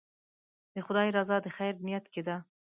د خدای رضا د خیر نیت کې ده.